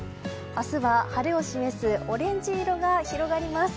明日は晴れを示すオレンジ色が広がります。